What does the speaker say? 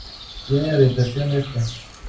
Tiene orientación este.